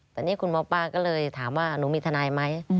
แต่นี่คุณหมอป้าก็เลยถามว่าหนูมีทนายไหม